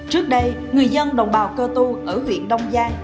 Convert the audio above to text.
trước đây người dân đồng bào cơ tu ở huyện đông giang